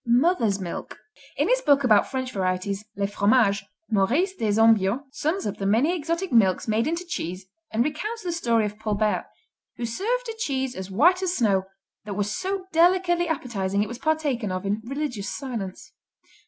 Mother's milk In his book about French varieties, Les Fromages, Maurice des Ombiaux sums up the many exotic milks made into cheese and recounts the story of Paul Bert, who served a cheese "white as snow" that was so delicately appetizing it was partaken of in "religious silence."